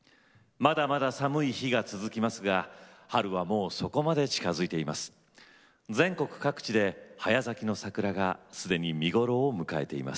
まだまだ寒い日が続きますが春はもうそこまで近づいています。